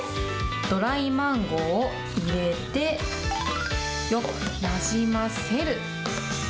ドライマンゴーを入れて、よくなじませる。